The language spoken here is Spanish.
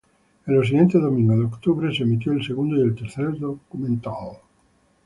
En los siguientes domingos de octubre se emitió el segundo y el tercer documental.